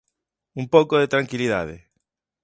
¡Un pouco de tranquilidade!